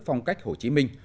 phong cách hồ chí minh